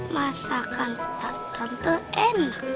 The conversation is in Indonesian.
masakan tante enak